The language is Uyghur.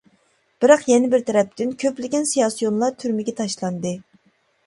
بىراق يەنە بىر تەرەپتىن كۆپلىگەن سىياسىيونلار تۈرمىگە تاشلاندى.